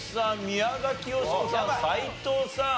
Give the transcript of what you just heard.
宮崎美子さん斎藤さん